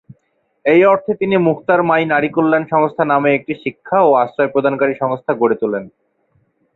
এই অর্থে তিনি মুখতার মাই নারী কল্যাণ সংস্থা নামে একটি শিক্ষা ও আশ্রয় প্রদানকারী সংস্থা গড়ে তুলেন।